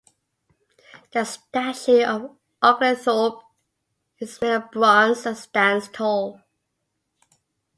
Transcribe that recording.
The statue of Oglethorpe is made of bronze and stands tall.